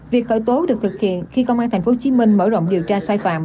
việc khởi tố được thực hiện khi công an tp hcm mở rộng điều tra sai phạm